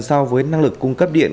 so với năng lực cung cấp điện